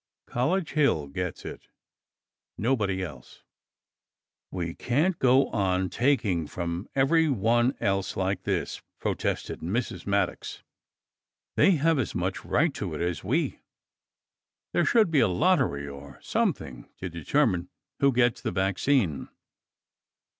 College Hill gets it. Nobody else." "We can't go on taking from everyone else like this!" protested Mrs. Maddox. "They have as much right to it as we. There should be a lottery or something to determine who gets the vaccine."